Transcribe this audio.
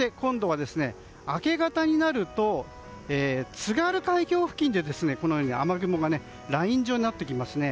明け方になると津軽海峡付近でこのように雨雲がライン状になってきますね。